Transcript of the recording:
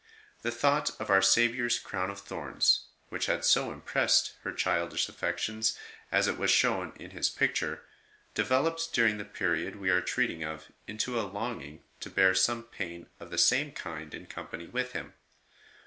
The thought of Our Saviour s Crown of Thorns, which had so impressed her childish affections as it was shown in His picture, de veloped during the period we are treating of into a longing to bear some pain of the same kind in company with Him.